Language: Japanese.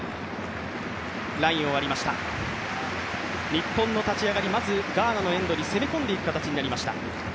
日本の立ち上がり、まずガーナのエンドに攻め込んでいく形になりました。